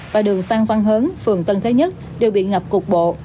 và đường phan văn hớn phường tân thế nhất đều bị ngập cục bộ